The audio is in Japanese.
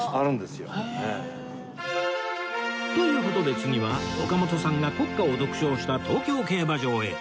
という事で次は岡本さんが国歌を独唱した東京競馬場へ